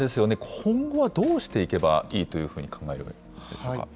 今後はどうしていけばいいというふうに考えていますか。